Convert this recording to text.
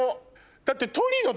だって。